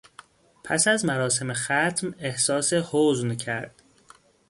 پس از مراسم ختم احساس حزن کرد.